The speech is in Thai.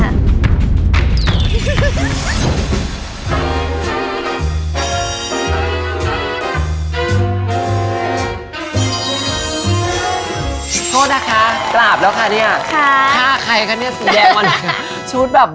โทษนะคะกราบแล้วคะเนี่ยฆ่าใครคะเนี่ยสีแดงชุดแบบ